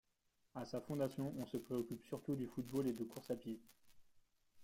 À sa fondation, on se préoccupe surtout du football et de course à pied.